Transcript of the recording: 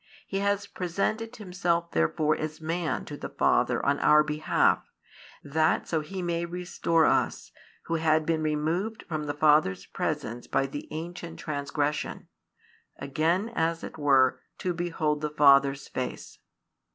He has presented Himself therefore as Man to the Father on our behalf, that so He may restore us, who had been removed from the Father's presence by the ancient transgression, again as it were to behold the Father's face.